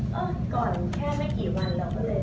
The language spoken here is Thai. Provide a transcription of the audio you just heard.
ก็เลยก่อนแค่ไม่กี่วันแล้วก็เลย